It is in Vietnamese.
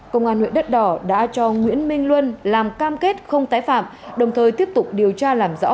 công an huyện đất đỏ đã cho nguyễn minh luân làm cam kết không tái phạm